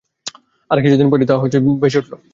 অল্প কিছুদিন পরই তা পঁচে ফুলে উঠল।